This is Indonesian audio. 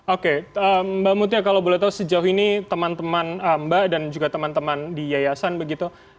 oke mbak mutia kalau boleh tahu sejauh ini teman teman mbak dan juga teman teman di yayasan begitu